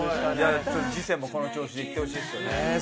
次戦もこの調子でいってほしいですよね。